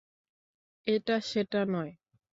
এটা সেটা নয়।